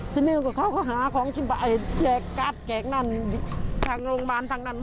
ทีนี้เขาก็หาของแจกการ์ดแจกนั่นทางโรงพยาบาลทางนั้น